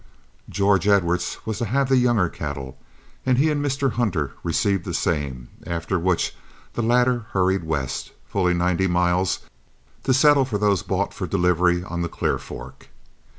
George Edwards was to have the younger cattle, and he and Mr. Hunter received the same, after which the latter hurried west, fully ninety miles, to settle for those bought for delivery on the Clear Fork.